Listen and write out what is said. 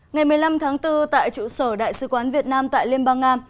ngày một mươi năm tháng bốn tại trụ sở đại sứ quán việt nam tại liên bang nga